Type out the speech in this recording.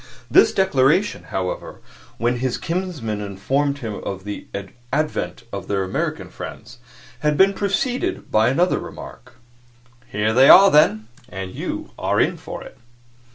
This declaration, however, when his kinsman informed him of the advent of their American friends, had been preceded by another remark. "Here they are, then, and you are in for it."